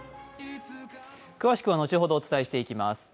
詳しくは後ほどお伝えしてまいります。